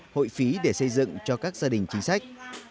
hội phí để xây dựng cho các gia đình chính sách